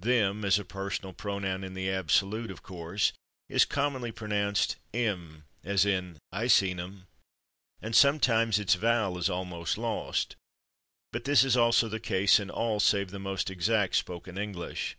/Them/, as a personal pronoun in the absolute, of course, is commonly pronounced /em/, as in "I seen /em/," and sometimes its vowel is almost lost, but this is also the case in all save the most exact spoken English.